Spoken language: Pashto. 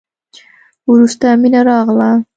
وروسته مينه راغله.